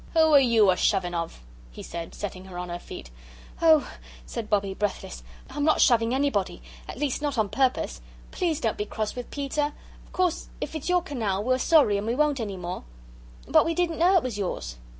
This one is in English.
"Who are you a shoving of?" he said, setting her on her feet. "Oh," said Bobbie, breathless, "I'm not shoving anybody. At least, not on purpose. Please don't be cross with Peter. Of course, if it's your canal, we're sorry and we won't any more. But we didn't know it was yours."